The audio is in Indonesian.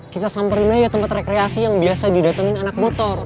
kita samperin aja tempat rekreasi yang biasa didatengin anak motor